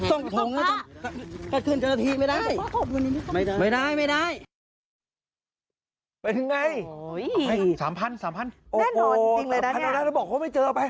โอ้โฮแน่นอนจริงเลยนะนี่โอ้โฮแน่นอนบอกว่าไม่เจอไป